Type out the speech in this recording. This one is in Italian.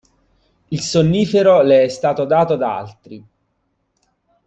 Il sonnifero le è stato dato da altri.